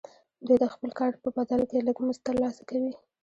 دوی د خپل کار په بدل کې لږ مزد ترلاسه کوي